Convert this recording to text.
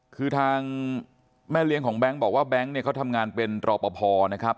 คือทางแม่เลี้ยงของแบงค์บอกว่าแบงค์เนี่ยเขาทำงานเป็นรอปภนะครับ